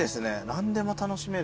何でも楽しめる。